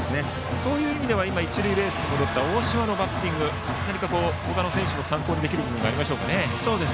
そういう意味では一塁ベースに戻った大島のバッティングは他の選手も参考にできる部分があるでしょうか。